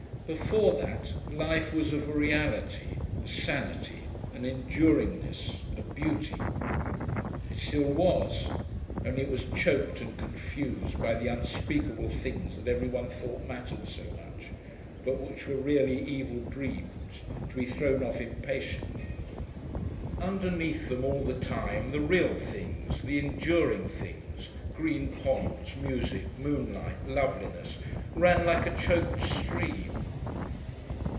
Before that life was of a reality, a sanity, an enduringness, a beauty. It still was, only it was choked and confused by the unspeakable things that every one thought mattered so much, but which were really evil dreams, to be thrown off impatiently. Underneath them all the time the real things, the enduring things green ponds, music, moonlight, loveliness ran like a choked stream....